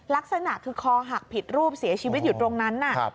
ลักษณะคือคอหักผิดรูปเสียชีวิตอยู่ตรงนั้น